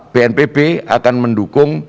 bnpb akan mendukung